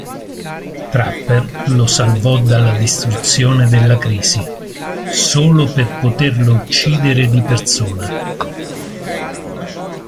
Trapper lo salvò dalla distruzione della Crisi, solo per poterlo uccidere di persona.